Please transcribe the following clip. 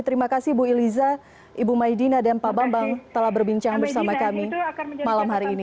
terima kasih bu iliza ibu maidina dan pak bambang telah berbincang bersama kami malam hari ini